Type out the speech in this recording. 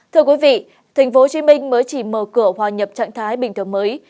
thưa quý vị tp hcm mới chỉ mở cửa hòa nhập trạng thái bình thường mới